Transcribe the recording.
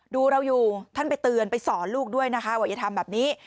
ดูเราอยู่ท่านไปเตือนไปสอนลูกด้วยนะคะว่าอย่าทำแบบนี้